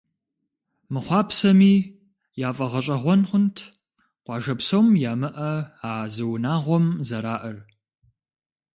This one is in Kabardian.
Мыхъуапсэми, яфӏэгъэщӏэгъуэн хъунт, къуажэ псом ямыӏэ а зы унагъуэм зэраӏэр.